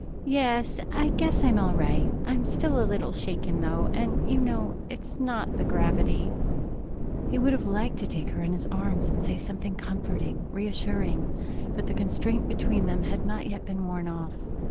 "Yes, I guess I'm all right. I'm still a little shaken, though, and you know it's not the gravity." He would have liked to take her in his arms and say something comforting, reassuring, but the constraint between them had not yet been worn off.